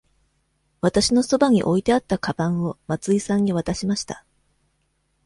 わたしのそばに置いてあったかばんを松井さんに渡しました。